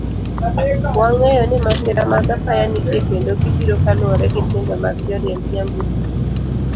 Wangeyo ni masira mag apaya nitie kendo gibiro kaluwore gi timbe mag joriemb nyamburko.